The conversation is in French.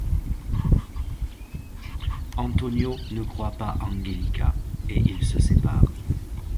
Antonio ne croit pas Angélica et ils se séparent.